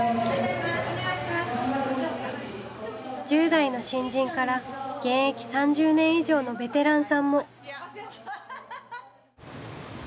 １０代の新人から現役３０年以上のベテランさんも。